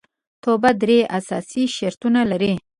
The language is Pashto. توبه درې اساسي شرطونه لري